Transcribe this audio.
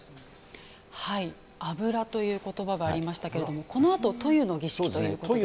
油という言葉がありましたがこのあと塗油の儀式ということですかね。